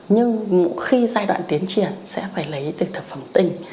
nhưng khi giai đoạn tiến triển sẽ phải lấy từ thực phẩm tinh